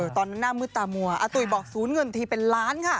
หน้ามืดตามัวอาตุ๋ยบอกศูนย์เงินทีเป็นล้านค่ะ